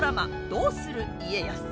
「どうする家康」。